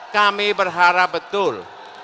kami berharap betul